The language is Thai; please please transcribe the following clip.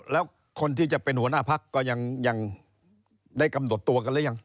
แล้วคนที่จะเป็นหัวหน้าพักก็ยังได้กำหนดตัวกันหรือยัง